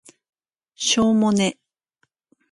しょーもね